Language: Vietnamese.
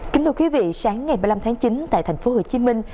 kính thưa quý vị sáng ngày một mươi năm tháng chín tại thành phố hồ chí minh